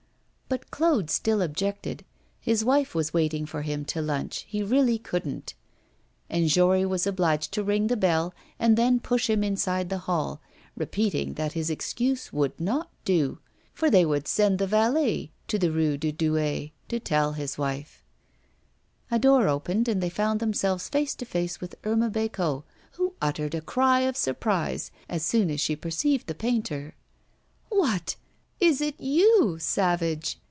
But Claude still objected. His wife was waiting for him to lunch; he really couldn't. And Jory was obliged to ring the bell, and then push him inside the hall, repeating that his excuse would not do; for they would send the valet to the Rue de Douai to tell his wife. A door opened and they found themselves face to face with Irma Bécot, who uttered a cry of surprise as soon as she perceived the painter. 'What! is it you, savage?